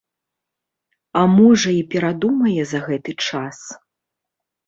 А, можа, і перадумае за гэты час.